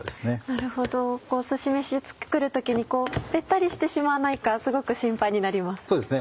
なるほどすし飯を作る時にべったりしてしまわないかすごく心配になります。